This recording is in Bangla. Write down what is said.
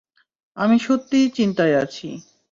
আমি সত্যিই চিন্তায় আছি।